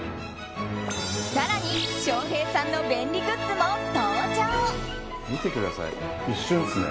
更に翔平さんの便利グッズも登場。